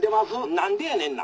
「何でやねんな。